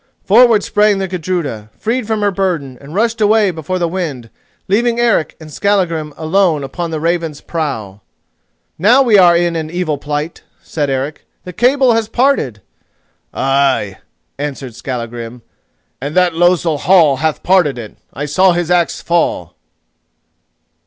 Forward sprang the Gudruda, freed from her burden, and rushed away before the wind, leaving Eric and Skallagrim alone upon the Raven's prow. "Now we are in an evil plight," said Eric, "the cable has parted!" "Ay," answered Skallagrim, "and that losel Hall hath parted it! I saw his axe fall."